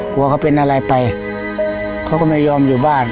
กลัวเขาเป็นอะไรไปเขาก็ไม่ยอมอยู่บ้าน